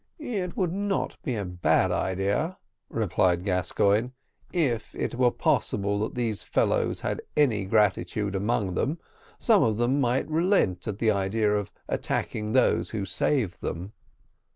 "It would not be a bad plan," replied Gascoigne; "if it were possible that these fellows had any gratitude among them, some of them might relent at the idea of attacking those who saved them."